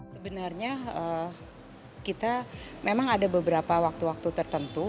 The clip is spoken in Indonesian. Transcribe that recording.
sebenarnya kita memang ada beberapa waktu waktu tertentu